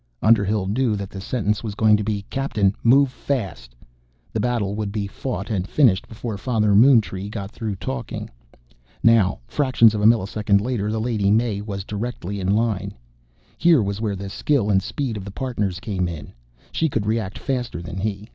Underhill knew that the sentence was going to be "Captain, move fast!" The battle would be fought and finished before Father Moontree got through talking. Now, fractions of a millisecond later, the Lady May was directly in line. Here was where the skill and speed of the Partners came in. She could react faster than he.